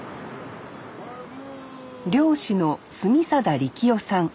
漁師の住定力雄さん。